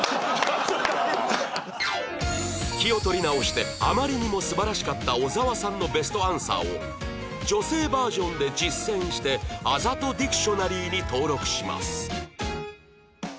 気を取り直してあまりにも素晴らしかった小沢さんのベストアンサーを女性バージョンで実戦してあざとディクショナリーに登録します